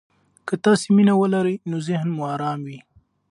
که تاسي مینه ولرئ، نو ذهن مو ارام وي.